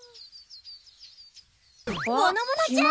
ぼのぼのちゃん！